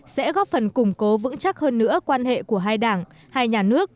sẽ góp phần củng cố vững chắc hơn nữa quan hệ của hai đảng hai nhà nước